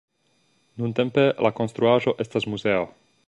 Nuntempe la konstruaĵo estas muzeo.